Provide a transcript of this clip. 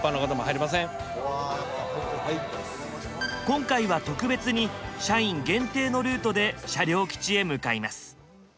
今回は特別に社員限定のルートで車両基地へ向かいます。